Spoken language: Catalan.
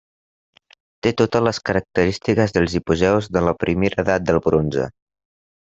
Té totes les característiques dels hipogeus de la primera edat del bronze.